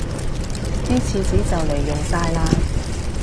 啲廁紙就黎用晒喇